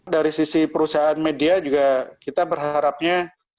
dari sisi perusahaan media juga kita berharapnya